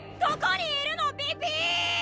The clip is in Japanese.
どこにいるのピピ！